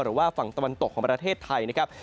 หรือว่าฝั่งตะวันตกของประเทศไทยนะครับ